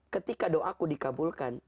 ketika doaku dikaburkan kepadamu